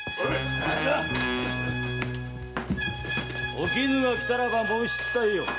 おきぬが来たらば申し伝えよ。